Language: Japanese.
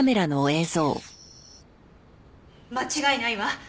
間違いないわ。